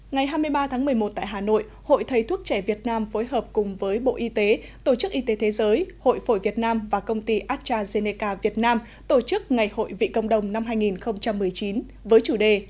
ngày hai mươi ba tháng một mươi một tại hà nội hội thầy thuốc trẻ việt nam phối hợp cùng với bộ y tế tổ chức y tế thế giới hội phổi việt nam và công ty astrazeneca việt nam tổ chức ngày hội vị công đồng năm hai nghìn một mươi chín với chủ đề